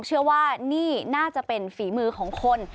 เชื่อว่านี่น่าจะเป็นฝีมือของคน